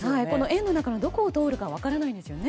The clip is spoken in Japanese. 円の中をどこを通るか分からないんですよね。